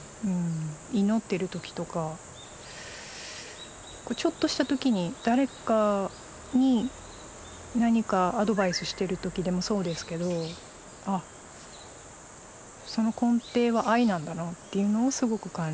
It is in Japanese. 祈ってる時とかちょっとした時に誰かに何かアドバイスしてる時でもそうですけどああその根底は愛なんだなっていうのをすごく感じました。